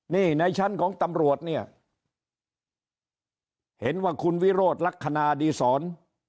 นี่ในชั้นของตำรวจเนี่ยเห็นว่าคุณวิโรธลักษณะดีศร